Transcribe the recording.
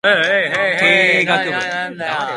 経営学部